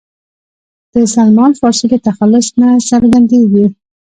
د سلمان فارسي له تخلص نه څرګندېږي.